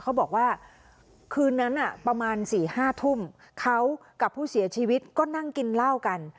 เขาบอกว่าคืนนั้นประมาณ๔๕ทุ่มเขากับผู้เสียชีวิตก็นั่งกินเหล้ากัน